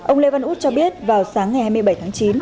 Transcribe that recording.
ông lê văn út cho biết vào sáng ngày hai mươi bảy tháng chín